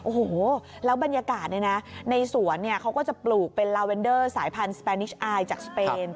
โอ้โหแล้วบรรยากาศในสวนเขาก็จะปลูกเป็นลาเวนเดอร์สายพันธุ์สแปนิชอายจากสเปน